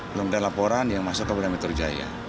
belum ada laporan yang masuk ke polda metro jaya